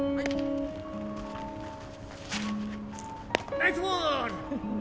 ナイスボール！